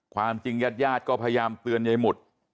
ความจริงยาดก็พยายามเตือนยายหมุด